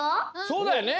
そうだよね！